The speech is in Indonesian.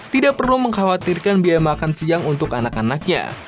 tidak perlu mengkhawatirkan biaya makan siang untuk anak anaknya